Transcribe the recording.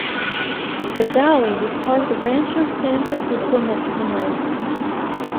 The valley was part of the Rancho San Francisco Mexican land grant.